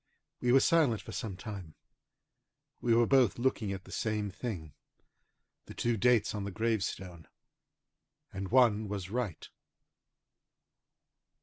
We were silent for some time. We were both looking at the same thing, the two dates on the gravestone, and one was right.